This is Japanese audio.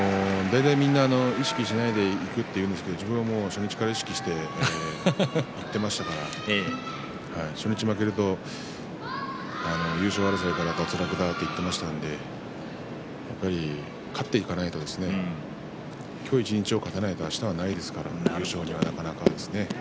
全然意識しないでいくというではなく自分は初日から意識していきましたから初日負けると優勝争いから脱落だといってましたのでやっぱり勝っていかないと今日一日を勝てないとあしたはないですから優勝には、なかなかね。